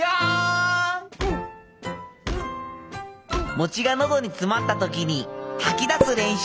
餅が喉に詰まった時に吐き出す練習。